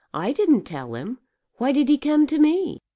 I didn't tell him. Why did he come to me?"